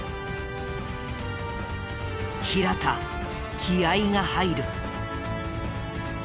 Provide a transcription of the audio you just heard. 平田気合が入る。